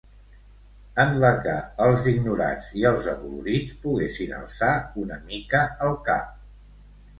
En la que els ignorats i els adolorits poguessin alçar una mica el cap